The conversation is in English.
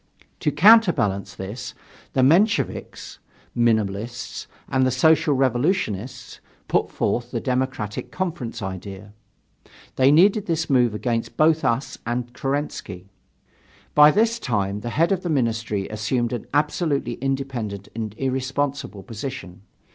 To counterbalance this, the Mensheviks (Minimalists) and the Social Revolutionists put forth the Democratic Conference idea. They needed this move against both us and Kerensky. By this time the head of the Ministry assumed an absolutely independent and irresponsible position.